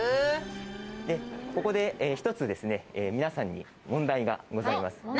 ここで一つ、皆さんに問題がございます。